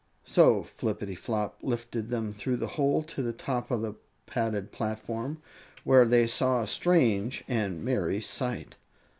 So Flippityflop lifted them through the hole to the top of the padded platform, where they saw a strange and merry sight.